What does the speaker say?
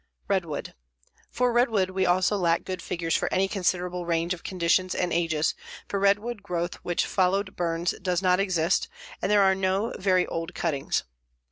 REDWOOD For redwood we also lack good figures for any considerable range of conditions and ages, for redwood growth which followed burns does not exist and there are no very old cuttings.